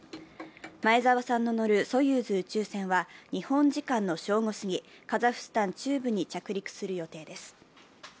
前澤さんの乗るソユーズ宇宙船は日本時間の正午過ぎ、カザフスタン中部に着陸する予定です。